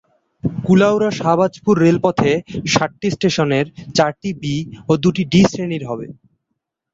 কুলাউড়া-শাহবাজপুর রেলপথে সাতটি স্টেশনের চারটি বি ও দুটি ডি শ্রেণির হবে।